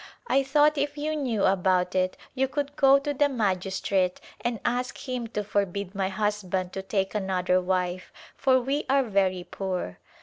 I thought if you knew about it you could go to the magistrate and ask him to forbid my husband to take another wife, for we are very poor."